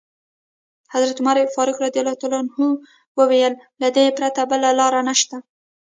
حضرت عمر فاروق وویل: له دې پرته بله لاره نشته.